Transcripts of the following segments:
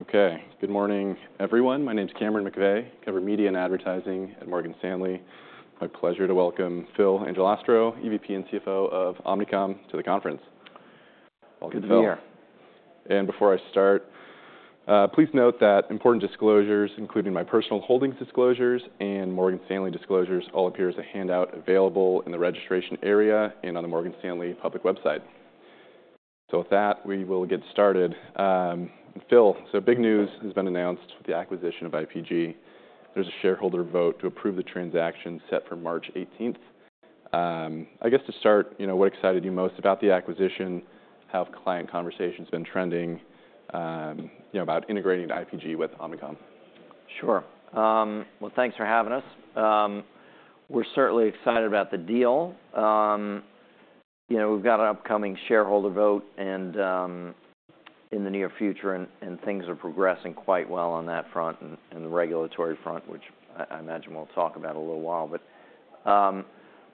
Okay. Good morning, everyone. My name's Cameron McVeigh, head of media and advertising at Morgan Stanley. My pleasure to welcome Phil Angelastro, EVP and CFO of Omnicom, to the conference. Good to be here. Before I start, please note that important disclosures, including my personal holdings disclosures and Morgan Stanley disclosures, all appear as a handout available in the registration area and on the Morgan Stanley public website. With that, we will get started. Phil, big news has been announced with the acquisition of IPG. There's a shareholder vote to approve the transaction set for March 18th. I guess to start, what excited you most about the acquisition? How have client conversations been trending about integrating IPG with Omnicom? Sure. Well, thanks for having us. We're certainly excited about the deal. We've got an upcoming shareholder vote in the near future, and things are progressing quite well on that front and the regulatory front, which I imagine we'll talk about in a little while. But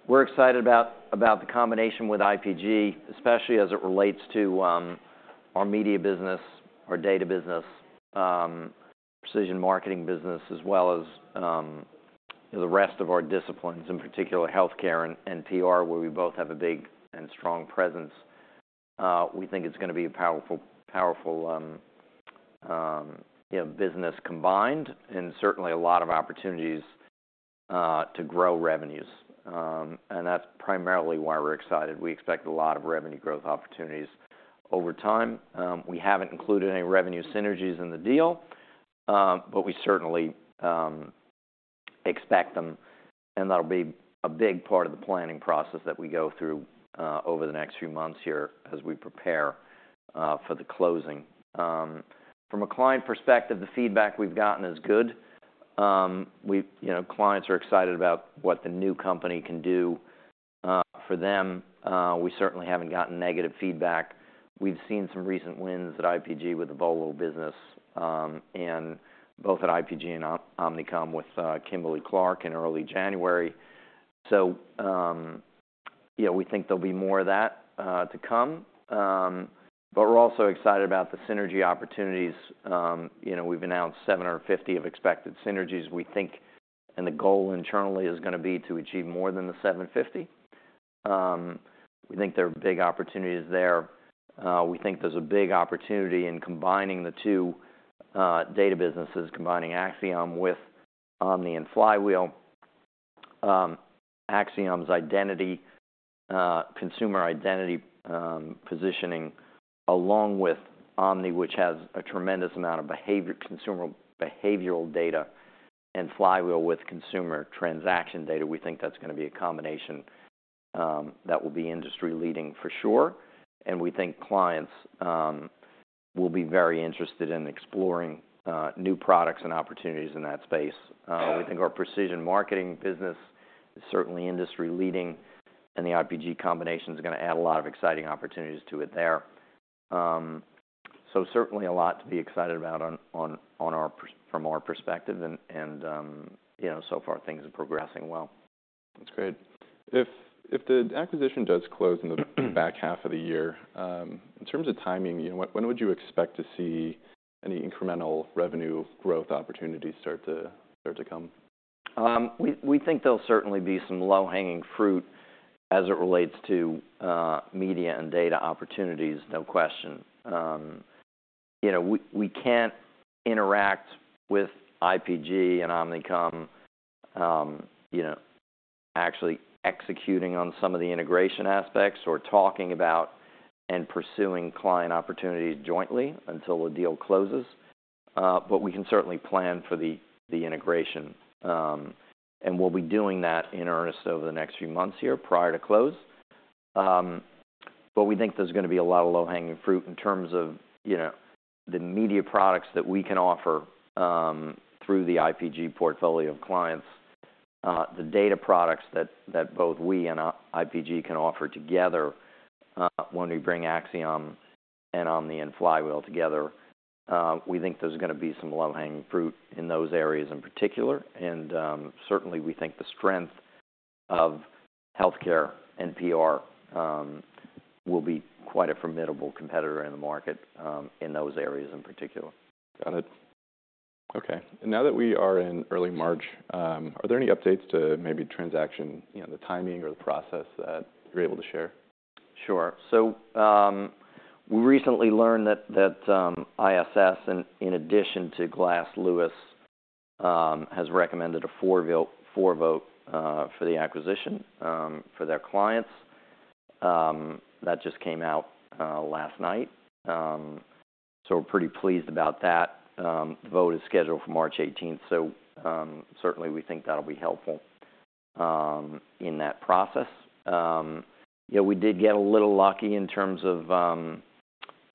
we're excited about the combination with IPG, especially as it relates to our media business, our data business, precision marketing business, as well as the rest of our disciplines, in particular healthcare and PR, where we both have a big and strong presence. We think it's going to be a powerful business combined and certainly a lot of opportunities to grow revenues. And that's primarily why we're excited. We expect a lot of revenue growth opportunities over time. We haven't included any revenue synergies in the deal, but we certainly expect them, and that'll be a big part of the planning process that we go through over the next few months here as we prepare for the closing. From a client perspective, the feedback we've gotten is good. Clients are excited about what the new company can do for them. We certainly haven't gotten negative feedback. We've seen some recent wins at IPG with the Volvo business, and both at IPG and Omnicom with Kimberly-Clark in early January. So we think there'll be more of that to come. But we're also excited about the synergy opportunities. We've announced 750 of expected synergies. We think, and the goal internally is going to be to achieve more than the 750. We think there are big opportunities there. We think there's a big opportunity in combining the two data businesses, combining Acxiom with Omni and Flywheel. Acxiom's identity, consumer identity positioning, along with Omni, which has a tremendous amount of consumer behavioral data, and Flywheel with consumer transaction data, we think that's going to be a combination that will be industry-leading for sure, and we think clients will be very interested in exploring new products and opportunities in that space. We think our precision marketing business is certainly industry-leading, and the IPG combination is going to add a lot of exciting opportunities to it there, so certainly a lot to be excited about from our perspective, and so far things are progressing well. That's great. If the acquisition does close in the back half of the year, in terms of timing, when would you expect to see any incremental revenue growth opportunities start to come? We think there'll certainly be some low-hanging fruit as it relates to media and data opportunities, no question. We can't interact with IPG and Omnicom actually executing on some of the integration aspects or talking about and pursuing client opportunities jointly until the deal closes. But we can certainly plan for the integration, and we'll be doing that in earnest over the next few months here prior to close. But we think there's going to be a lot of low-hanging fruit in terms of the media products that we can offer through the IPG portfolio of clients, the data products that both we and IPG can offer together when we bring Acxiom and Omni and Flywheel together. We think there's going to be some low-hanging fruit in those areas in particular. Certainly, we think the strength of healthcare and PR will be quite a formidable competitor in the market in those areas in particular. Got it. Okay, and now that we are in early March, are there any updates to the transaction, maybe the timing or the process that you're able to share? Sure. So we recently learned that ISS, in addition to Glass Lewis, has recommended a for vote for the acquisition for their clients. That just came out last night. So we're pretty pleased about that. The vote is scheduled for March 18th, so certainly we think that'll be helpful in that process.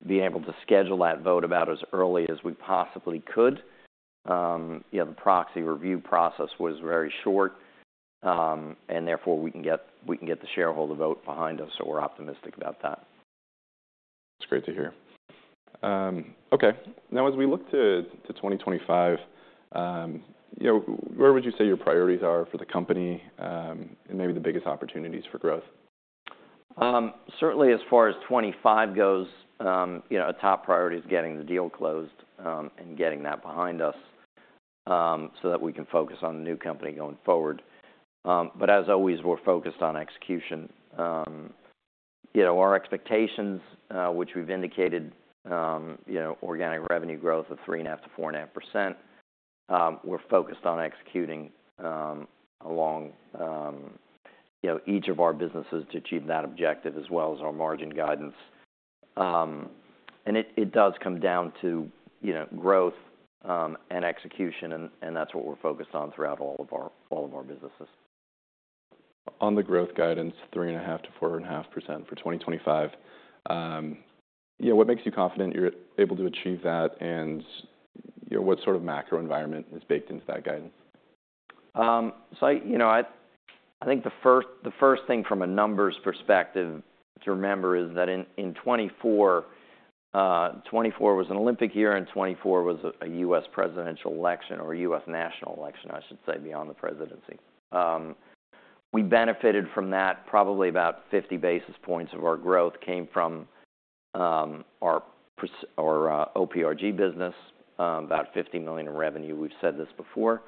We did get a little lucky in terms of being able to schedule that vote about as early as we possibly could. The proxy review process was very short, and therefore we can get the shareholder vote behind us, so we're optimistic about that. That's great to hear. Okay. Now, as we look to 2025, where would you say your priorities are for the company and maybe the biggest opportunities for growth? Certainly, as far as 2025 goes, a top priority is getting the deal closed and getting that behind us so that we can focus on the new company going forward. But as always, we're focused on execution. Our expectations, which we've indicated, organic revenue growth of 3.5%-4.5%, we're focused on executing along each of our businesses to achieve that objective, as well as our margin guidance. And it does come down to growth and execution, and that's what we're focused on throughout all of our businesses. On the growth guidance, 3.5%-4.5% for 2025, what makes you confident you're able to achieve that, and what sort of macro environment is baked into that guidance? So I think the first thing from a numbers perspective to remember is that in 2024, 2024 was an Olympic year, and 2024 was a U.S. presidential election or a U.S. national election, I should say, beyond the presidency. We benefited from that. Probably about 50 basis points of our growth came from our OPRG business, about $50 million in revenue. We've said this before,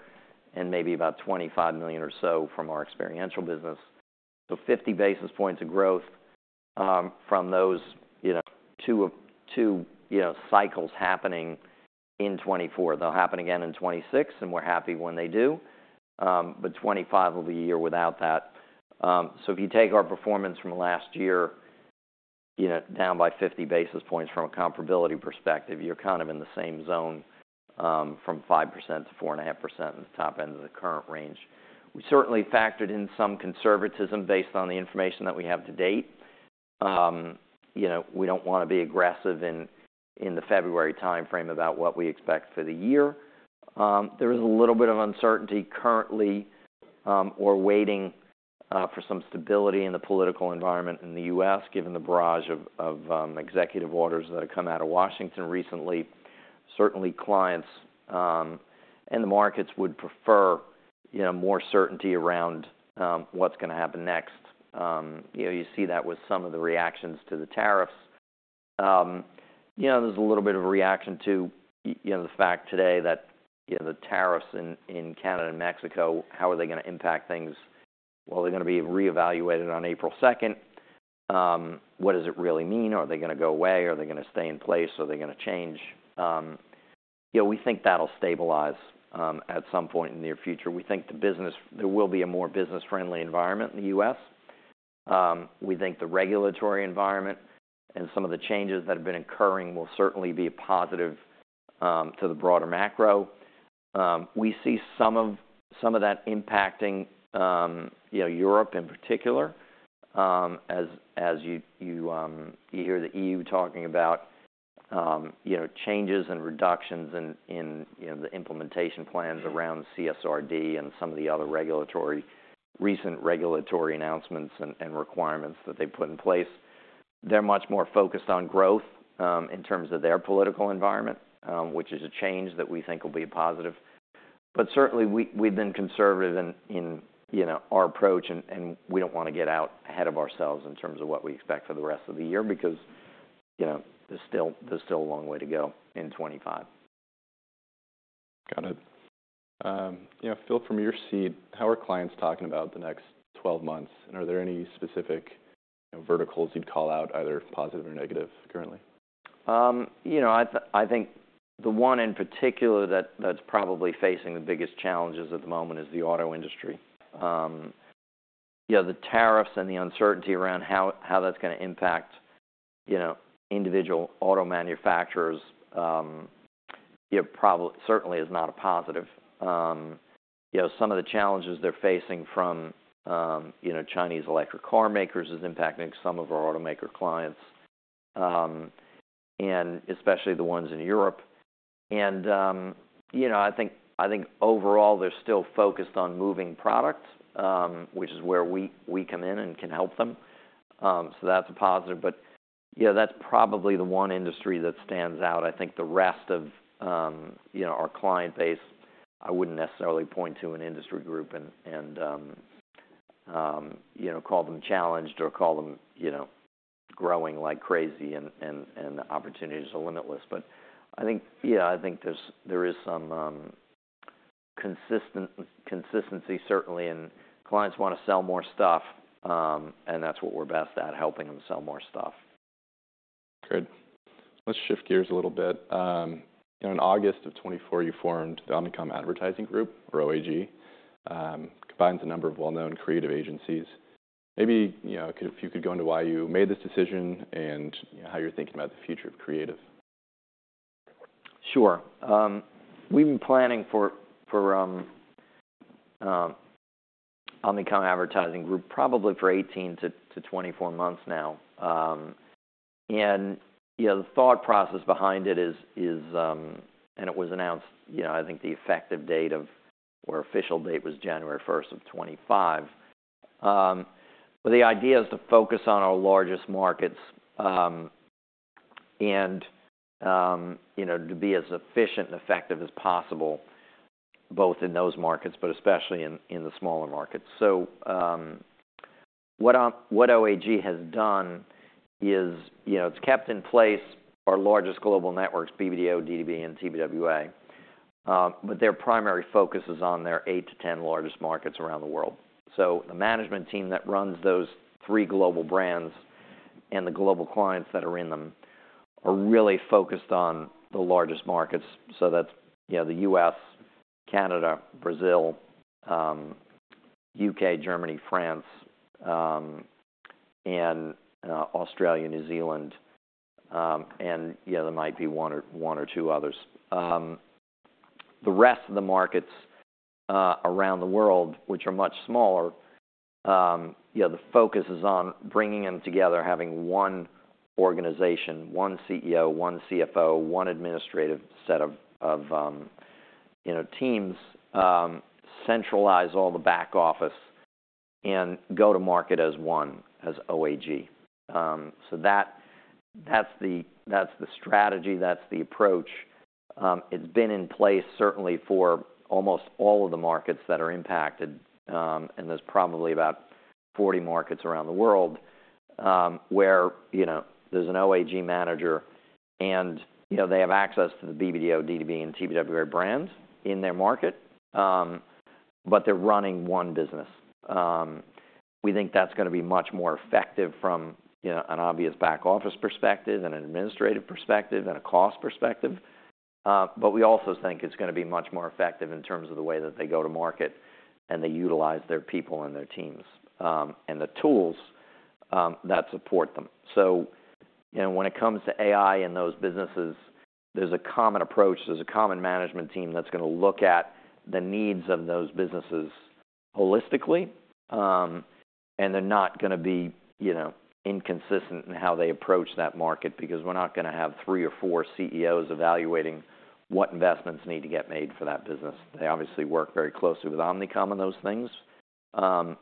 and maybe about $25 million or so from our experiential business. So 50 basis points of growth from those two cycles happening in 2024. They'll happen again in 2026, and we're happy when they do. But 2025 will be a year without that. So if you take our performance from last year down by 50 basis points from a comparability perspective, you're kind of in the same zone from 5%-4.5% in the top end of the current range. We certainly factored in some conservatism based on the information that we have to date. We don't want to be aggressive in the February timeframe about what we expect for the year. There is a little bit of uncertainty currently. We're waiting for some stability in the political environment in the U.S., given the barrage of executive orders that have come out of Washington recently. Certainly, clients and the markets would prefer more certainty around what's going to happen next. You see that with some of the reactions to the tariffs. There's a little bit of a reaction to the fact today that the tariffs in Canada and Mexico. How are they going to impact things? Well, they're going to be reevaluated on April 2nd. What does it really mean? Are they going to go away? Are they going to stay in place? Are they going to change? We think that'll stabilize at some point in the near future. We think there will be a more business-friendly environment in the U.S. We think the regulatory environment and some of the changes that have been occurring will certainly be a positive to the broader macro. We see some of that impacting Europe in particular. As you hear the E.U. talking about changes and reductions in the implementation plans around CSRD and some of the other recent regulatory announcements and requirements that they've put in place, they're much more focused on growth in terms of their political environment, which is a change that we think will be a positive. But certainly, we've been conservative in our approach, and we don't want to get out ahead of ourselves in terms of what we expect for the rest of the year because there's still a long way to go in 2025. Got it. Phil, from your seat, how are clients talking about the next 12 months? And are there any specific verticals you'd call out either positive or negative currently? I think the one in particular that's probably facing the biggest challenges at the moment is the auto industry. The tariffs and the uncertainty around how that's going to impact individual auto manufacturers certainly is not a positive. Some of the challenges they're facing from Chinese electric car makers is impacting some of our automaker clients, and especially the ones in Europe. And I think overall, they're still focused on moving products, which is where we come in and can help them. So that's a positive. But that's probably the one industry that stands out. I think the rest of our client base, I wouldn't necessarily point to an industry group and call them challenged or call them growing like crazy, and the opportunities are limitless. But I think there is some consistency, certainly, and clients want to sell more stuff, and that's what we're best at, helping them sell more stuff. Good. Let's shift gears a little bit. In August of 2024, you formed the Omnicom Advertising Group, or OAG. It combines a number of well-known creative agencies. Maybe if you could go into why you made this decision and how you're thinking about the future of creative? Sure. We've been planning for Omnicom Advertising Group probably for 18 to 24 months now, and the thought process behind it is, and it was announced, I think the effective date or official date was January 1st of 2025, but the idea is to focus on our largest markets and to be as efficient and effective as possible, both in those markets, but especially in the smaller markets, so what OAG has done is it's kept in place our largest global networks, BBDO, DDB, and TBWA, but their primary focus is on their 8 to 10 largest markets around the world. So the management team that runs those three global brands and the global clients that are in them are really focused on the largest markets, so that's the U.S., Canada, Brazil, U.K., Germany, France, and Australia, New Zealand, and there might be one or two others. The rest of the markets around the world, which are much smaller, the focus is on bringing them together, having one organization, one CEO, one CFO, one administrative set of teams, centralize all the back office, and go to market as one, as OAG. So that's the strategy. That's the approach. It's been in place certainly for almost all of the markets that are impacted, and there's probably about 40 markets around the world where there's an OAG manager, and they have access to the BBDO, DDB, and TBWA brands in their market, but they're running one business. We think that's going to be much more effective from an obvious back office perspective, an administrative perspective, and a cost perspective. But we also think it's going to be much more effective in terms of the way that they go to market and they utilize their people and their teams and the tools that support them. So when it comes to AI in those businesses, there's a common approach. There's a common management team that's going to look at the needs of those businesses holistically, and they're not going to be inconsistent in how they approach that market because we're not going to have three or four CEOs evaluating what investments need to get made for that business. They obviously work very closely with Omnicom and those things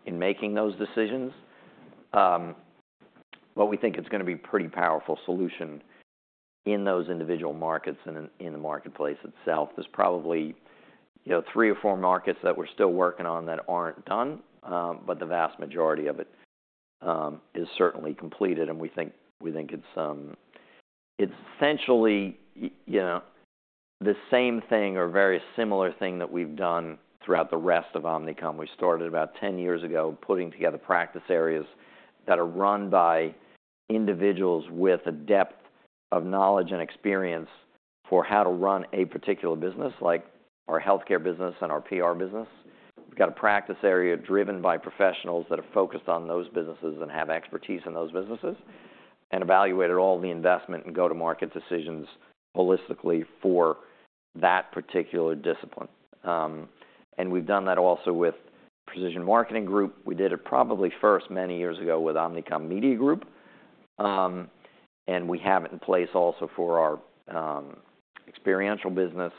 in making those decisions. But we think it's going to be a pretty powerful solution in those individual markets and in the marketplace itself. There's probably three or four markets that we're still working on that aren't done, but the vast majority of it is certainly completed, and we think it's essentially the same thing or a very similar thing that we've done throughout the rest of Omnicom. We started about 10 years ago putting together practice areas that are run by individuals with a depth of knowledge and experience for how to run a particular business like our healthcare business and our PR business. We've got a practice area driven by professionals that are focused on those businesses and have expertise in those businesses and evaluated all the investment and go-to-market decisions holistically for that particular discipline. We've done that also with Precision Marketing Group. We did it probably first many years ago with Omnicom Media Group, and we have it in place also for our experiential business,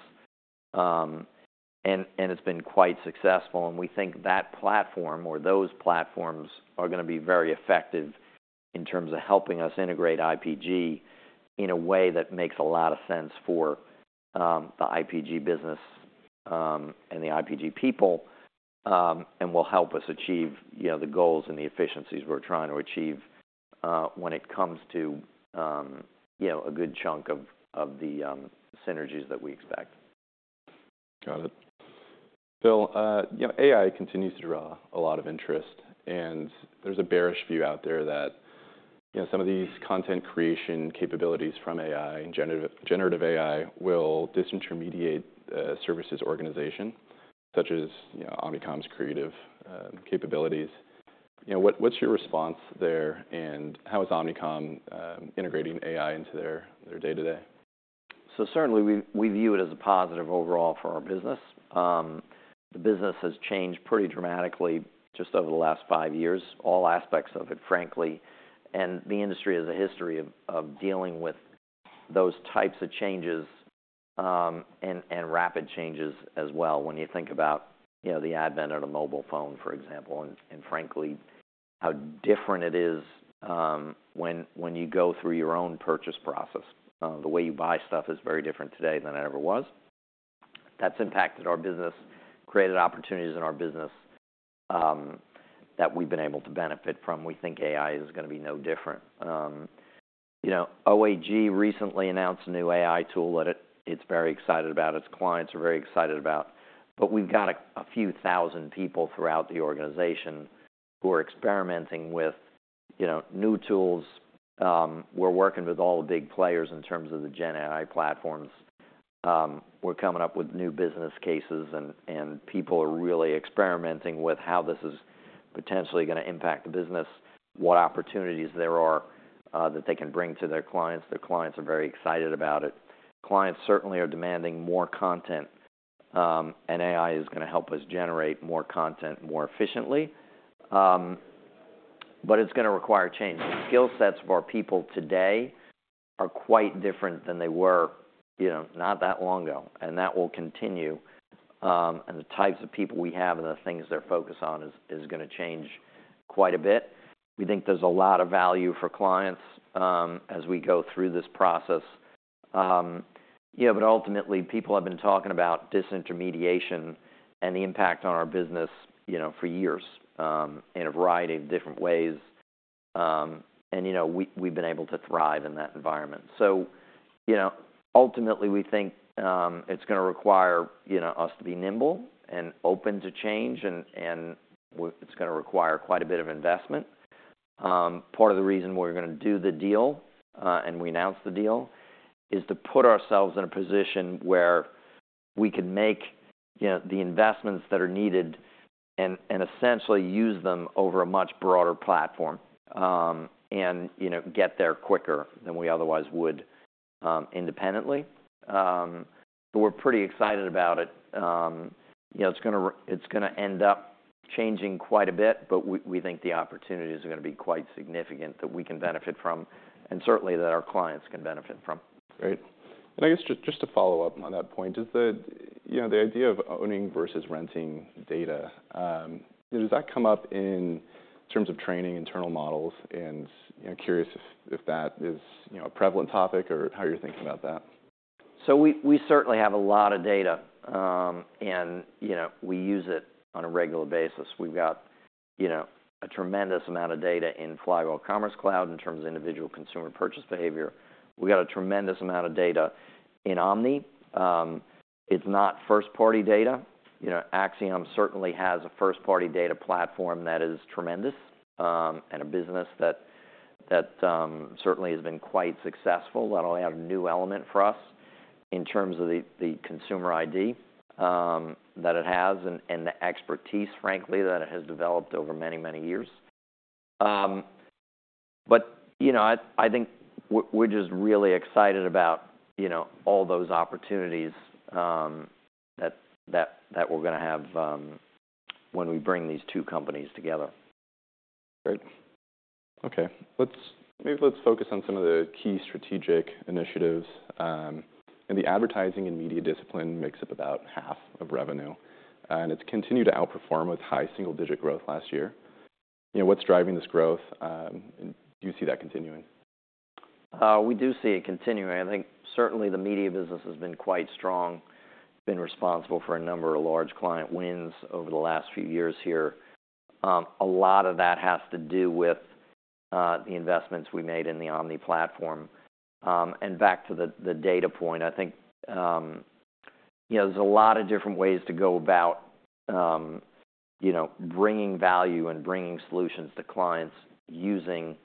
and it's been quite successful, and we think that platform or those platforms are going to be very effective in terms of helping us integrate IPG in a way that makes a lot of sense for the IPG business and the IPG people and will help us achieve the goals and the efficiencies we're trying to achieve when it comes to a good chunk of the synergies that we expect. Got it. Phil, AI continues to draw a lot of interest, and there's a bearish view out there that some of these content creation capabilities from AI and generative AI will disintermediate services organization, such as Omnicom's creative capabilities. What's your response there, and how is Omnicom integrating AI into their day-to-day? So certainly, we view it as a positive overall for our business. The business has changed pretty dramatically just over the last five years, all aspects of it, frankly. And the industry has a history of dealing with those types of changes and rapid changes as well when you think about the advent of the mobile phone, for example, and frankly, how different it is when you go through your own purchase process. The way you buy stuff is very different today than it ever was. That's impacted our business, created opportunities in our business that we've been able to benefit from. We think AI is going to be no different. OAG recently announced a new AI tool that it's very excited about. Its clients are very excited about. But we've got a few thousand people throughout the organization who are experimenting with new tools. We're working with all the big players in terms of the GenAI platforms. We're coming up with new business cases, and people are really experimenting with how this is potentially going to impact the business, what opportunities there are that they can bring to their clients. Their clients are very excited about it. Clients certainly are demanding more content, and AI is going to help us generate more content more efficiently, but it's going to require change. The skill sets of our people today are quite different than they were not that long ago, and that will continue, and the types of people we have and the things they're focused on is going to change quite a bit. We think there's a lot of value for clients as we go through this process. But ultimately, people have been talking about disintermediation and the impact on our business for years in a variety of different ways, and we've been able to thrive in that environment. So ultimately, we think it's going to require us to be nimble and open to change, and it's going to require quite a bit of investment. Part of the reason we're going to do the deal, and we announced the deal, is to put ourselves in a position where we can make the investments that are needed and essentially use them over a much broader platform and get there quicker than we otherwise would independently. But we're pretty excited about it. It's going to end up changing quite a bit, but we think the opportunities are going to be quite significant that we can benefit from and certainly that our clients can benefit from. Great, and I guess just to follow up on that point, is that the idea of owning versus renting data, does that come up in terms of training internal models, and curious if that is a prevalent topic or how you're thinking about that. So we certainly have a lot of data, and we use it on a regular basis. We've got a tremendous amount of data in Flywheel Commerce Cloud in terms of individual consumer purchase behavior. We've got a tremendous amount of data in Omni. It's not first-party data. Acxiom certainly has a first-party data platform that is tremendous and a business that certainly has been quite successful. That'll add a new element for us in terms of the consumer ID that it has and the expertise, frankly, that it has developed over many, many years. But I think we're just really excited about all those opportunities that we're going to have when we bring these two companies together. Great. Okay. Maybe let's focus on some of the key strategic initiatives. The advertising and media discipline makes up about half of revenue, and it's continued to outperform with high single-digit growth last year. What's driving this growth, and do you see that continuing? We do see it continuing. I think certainly the media business has been quite strong. It's been responsible for a number of large client wins over the last few years here. A lot of that has to do with the investments we made in the Omni platform. And back to the data point, I think there's a lot of different ways to go about bringing value and bringing solutions to clients using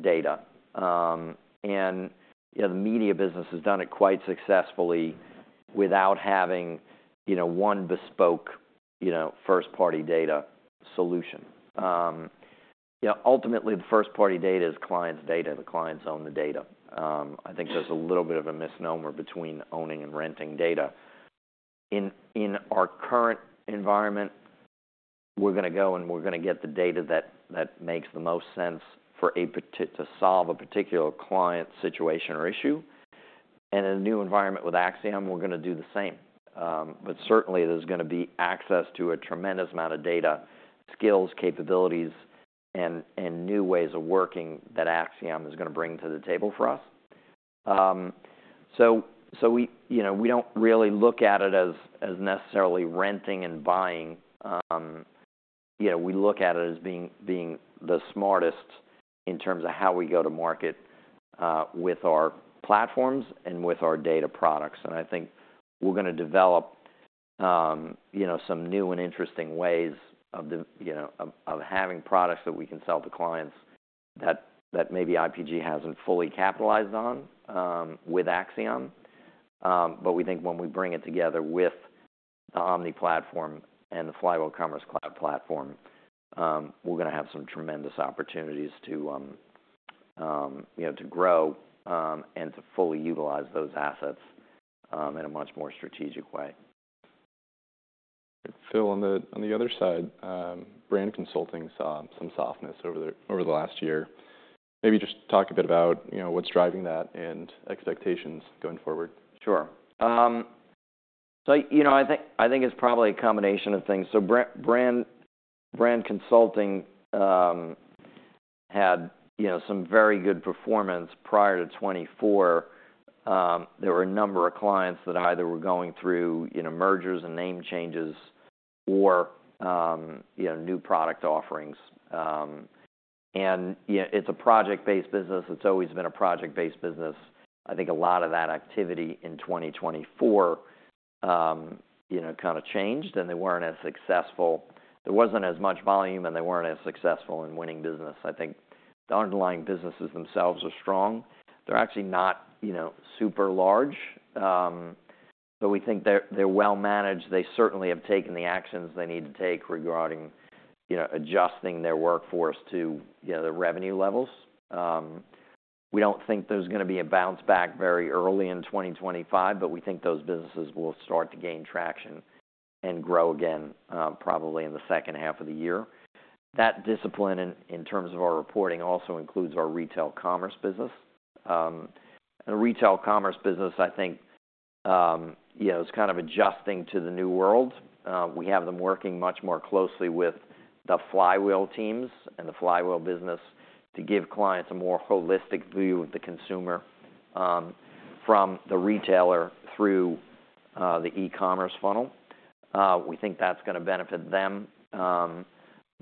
data. And the media business has done it quite successfully without having one bespoke first-party data solution. Ultimately, the first-party data is clients' data. The clients own the data. I think there's a little bit of a misnomer between owning and renting data. In our current environment, we're going to go and we're going to get the data that makes the most sense to solve a particular client situation or issue. And in a new environment with Acxiom, we're going to do the same. But certainly, there's going to be access to a tremendous amount of data, skills, capabilities, and new ways of working that Acxiom is going to bring to the table for us. So we don't really look at it as necessarily renting and buying. We look at it as being the smartest in terms of how we go to market with our platforms and with our data products. And I think we're going to develop some new and interesting ways of having products that we can sell to clients that maybe IPG hasn't fully capitalized on with Acxiom. But we think when we bring it together with the Omni platform and the Flywheel Commerce Cloud platform, we're going to have some tremendous opportunities to grow and to fully utilize those assets in a much more strategic way. Phil, on the other side, brand consulting saw some softness over the last year. Maybe just talk a bit about what's driving that and expectations going forward. Sure. So I think it's probably a combination of things. So brand consulting had some very good performance prior to 2024. There were a number of clients that either were going through mergers and name changes or new product offerings. And it's a project-based business. It's always been a project-based business. I think a lot of that activity in 2024 kind of changed, and they weren't as successful. There wasn't as much volume, and they weren't as successful in winning business. I think the underlying businesses themselves are strong. They're actually not super large, but we think they're well-managed. They certainly have taken the actions they need to take regarding adjusting their workforce to the revenue levels. We don't think there's going to be a bounce back very early in 2025, but we think those businesses will start to gain traction and grow again probably in the second half of the year. That discipline in terms of our reporting also includes our retail commerce business. And the retail commerce business, I think, is kind of adjusting to the new world. We have them working much more closely with the Flywheel teams and the Flywheel business to give clients a more holistic view of the consumer from the retailer through the e-commerce funnel. We think that's going to benefit them.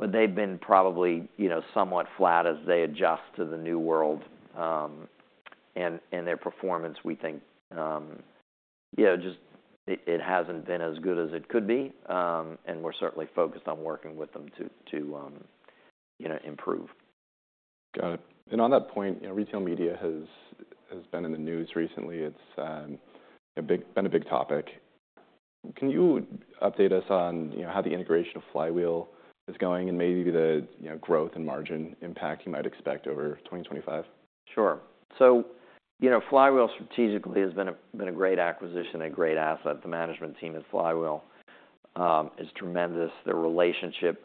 But they've been probably somewhat flat as they adjust to the new world, and their performance, we think, just it hasn't been as good as it could be. And we're certainly focused on working with them to improve. Got it. And on that point, retail media has been in the news recently. It's been a big topic. Can you update us on how the integration of Flywheel is going and maybe the growth and margin impact you might expect over 2025? Sure. So Flywheel, strategically, has been a great acquisition, a great asset. The management team at Flywheel is tremendous. Their relationship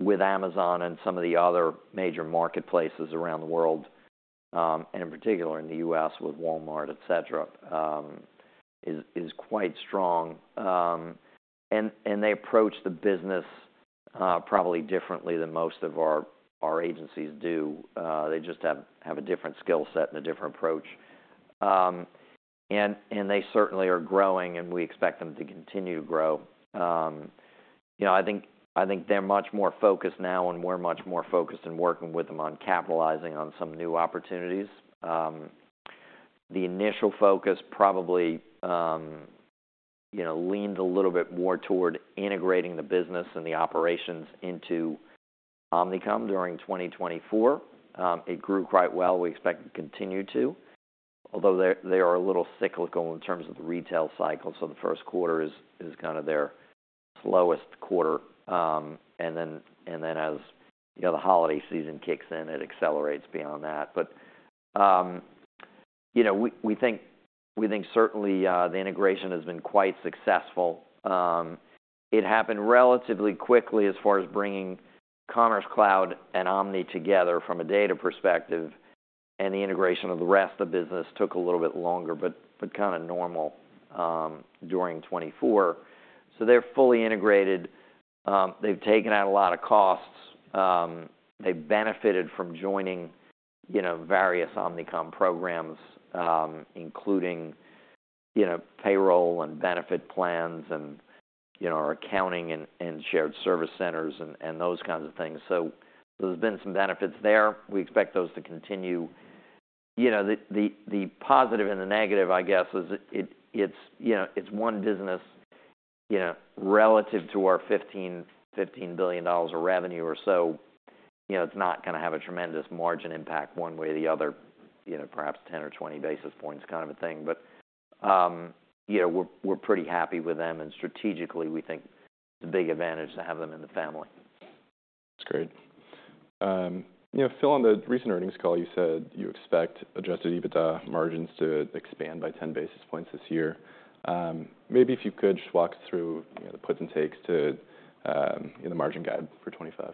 with Amazon and some of the other major marketplaces around the world, and in particular in the U.S. with Walmart, etc., is quite strong. And they approach the business probably differently than most of our agencies do. They just have a different skill set and a different approach. And they certainly are growing, and we expect them to continue to grow. I think they're much more focused now, and we're much more focused in working with them on capitalizing on some new opportunities. The initial focus probably leaned a little bit more toward integrating the business and the operations into Omnicom during 2024. It grew quite well. We expect it to continue to, although they are a little cyclical in terms of the retail cycle. So the first quarter is kind of their slowest quarter. And then as the holiday season kicks in, it accelerates beyond that. But we think certainly the integration has been quite successful. It happened relatively quickly as far as bringing Commerce Cloud and Omni together from a data perspective, and the integration of the rest of the business took a little bit longer but kind of normal during 2024. So they're fully integrated. They've taken out a lot of costs. They've benefited from joining various Omnicom programs, including payroll and benefit plans and our accounting and shared service centers and those kinds of things. So there's been some benefits there. We expect those to continue. The positive and the negative, I guess, is it's one business relative to our $15 billion of revenue or so. It's not going to have a tremendous margin impact one way or the other, perhaps 10 or 20 basis points kind of a thing. But we're pretty happy with them. And strategically, we think it's a big advantage to have them in the family. That's great. Phil, on the recent earnings call, you said you expect adjusted EBITDA margins to expand by 10 basis points this year. Maybe if you could just walk us through the puts and takes to the margin guide for 2025.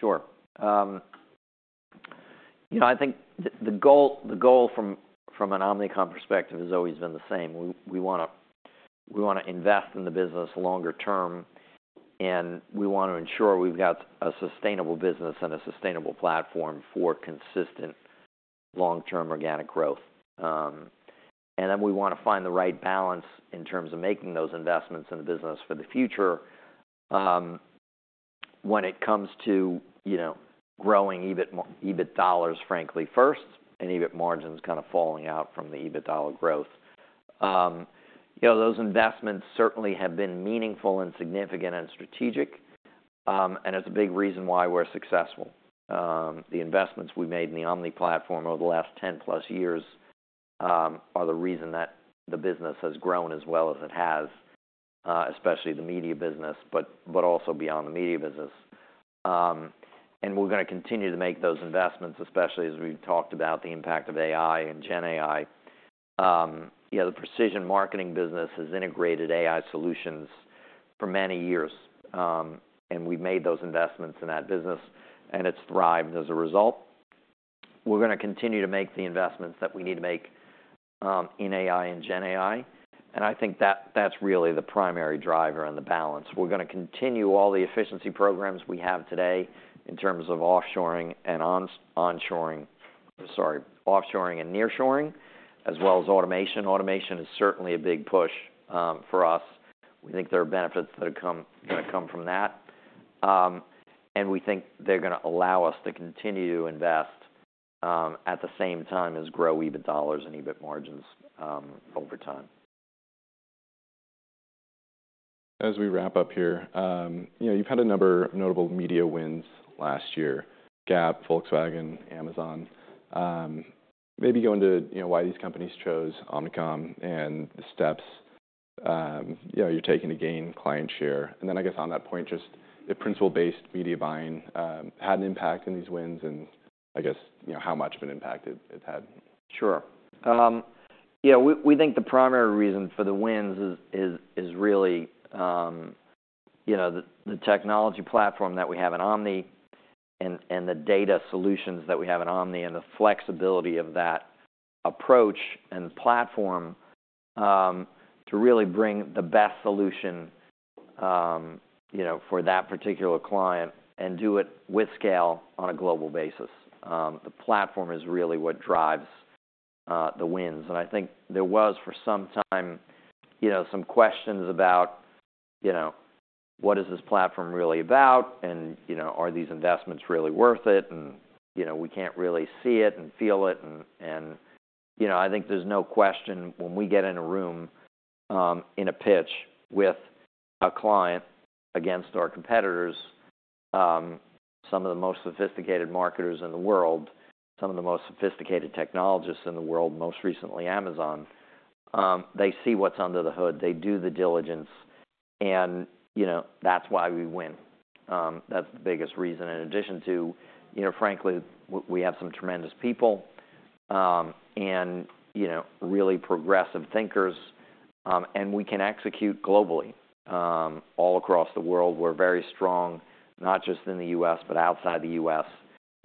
Sure. I think the goal from an Omnicom perspective has always been the same. We want to invest in the business longer term, and we want to ensure we've got a sustainable business and a sustainable platform for consistent long-term organic growth. And then we want to find the right balance in terms of making those investments in the business for the future when it comes to growing EBIT dollars, frankly, first, and EBIT margins kind of falling out from the EBIT dollar growth. Those investments certainly have been meaningful and significant and strategic, and it's a big reason why we're successful. The investments we made in the Omni platform over the last 10+ years are the reason that the business has grown as well as it has, especially the media business, but also beyond the media business. We're going to continue to make those investments, especially as we've talked about the impact of AI and GenAI. The precision marketing business has integrated AI solutions for many years, and we've made those investments in that business, and it's thrived as a result. We're going to continue to make the investments that we need to make in AI and GenAI. I think that's really the primary driver and the balance. We're going to continue all the efficiency programs we have today in terms of offshoring and onshoring and nearshoring, as well as automation. Automation is certainly a big push for us. We think there are benefits that are going to come from that. We think they're going to allow us to continue to invest at the same time as grow EBIT dollars and EBIT margins over time. As we wrap up here, you've had a number of notable media wins last year: Gap, Volkswagen, Amazon. Maybe go into why these companies chose Omnicom and the steps you're taking to gain client share, and then I guess on that point, just the principal-based media buying had an impact in these wins, and I guess how much of an impact it's had. Sure. Yeah. We think the primary reason for the wins is really the technology platform that we have in Omni and the data solutions that we have in Omni and the flexibility of that approach and platform to really bring the best solution for that particular client and do it with scale on a global basis. The platform is really what drives the wins. And I think there was for some time some questions about, "What is this platform really about? And are these investments really worth it? And we can't really see it and feel it." And I think there's no question when we get in a room in a pitch with a client against our competitors, some of the most sophisticated marketers in the world, some of the most sophisticated technologists in the world, most recently Amazon, they see what's under the hood. They do the diligence, and that's why we win. That's the biggest reason. In addition to, frankly, we have some tremendous people and really progressive thinkers, and we can execute globally all across the world. We're very strong, not just in the U.S., but outside the U.S.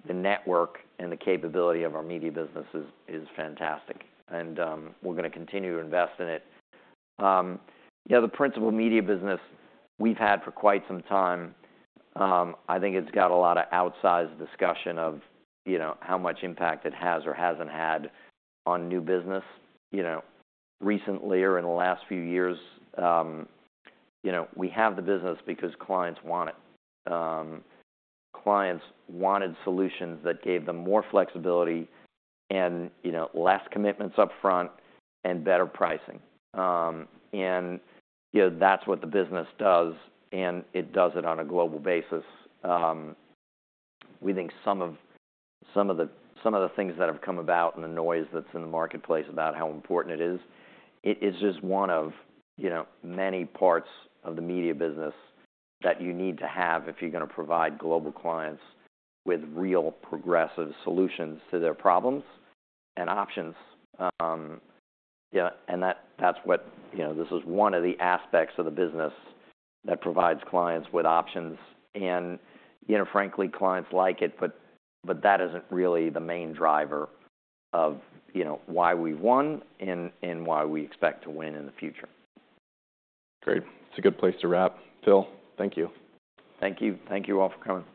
The network and the capability of our media business is fantastic, and we're going to continue to invest in it. The principal media business we've had for quite some time, I think it's got a lot of outsized discussion of how much impact it has or hasn't had on new business recently or in the last few years. We have the business because clients want it. Clients wanted solutions that gave them more flexibility and less commitments upfront and better pricing, and that's what the business does, and it does it on a global basis. We think some of the things that have come about and the noise that's in the marketplace about how important it is. It's just one of many parts of the media business that you need to have if you're going to provide global clients with real progressive solutions to their problems and options. And that's what this is, one of the aspects of the business that provides clients with options. And frankly, clients like it, but that isn't really the main driver of why we've won and why we expect to win in the future. Great. It's a good place to wrap. Phil, thank you. Thank you. Thank you all for coming.